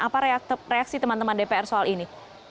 apa reaksi teman teman dpr soal ini